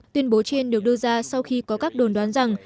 tuyên bố trên được đưa ra sau khi có các đồn đoán rằng